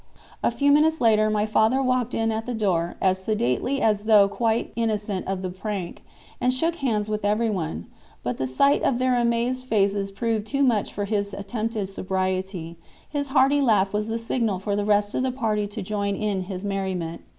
A few minutes later my father walked in at the door as sedately as though quite innocent of the prank, and shook hands with everyone; but the sight of their amazed faces proving too much for his attempted sobriety, his hearty laugh was the signal for the rest of the party to join in his merriment.